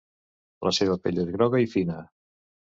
La seva pell és groga i fina.